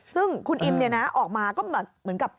ซึ่งคุณอิมเนี่ยนะออกมาก็เหมือนกับ